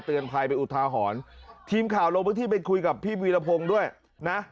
ภัยไปอุทาหรณ์ทีมข่าวลงพื้นที่ไปคุยกับพี่วีรพงศ์ด้วยนะ